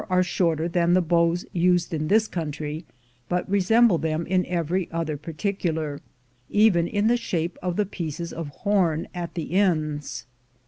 INDIANS AND CHINAMEN 133 shorter than the bows used in this country, but re semble them in every other particular, even in the shape of the pieces of horn at the ends.